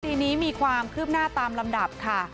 คดีนี้มีความคืบหน้าตามลำดับค่ะ